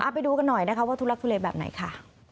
ไปดูกันหน่อยนะคะว่าทุลักทุเลแบบไหนค่ะ